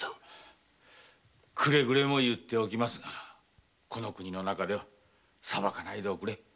くれぐれも念を押しますがこの国の中ではさばかないでおくれ。